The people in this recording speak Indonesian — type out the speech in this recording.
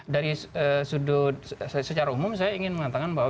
dari sudut secara umum saya ingin mengatakan bahwa